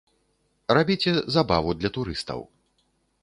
Рабіце забаву для турыстаў.